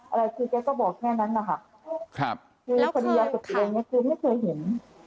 อะไรคือแกก็บอกแค่นั้นค่ะค่ะแล้วคดียาสุดท้ายนี้คือไม่เคยเห็น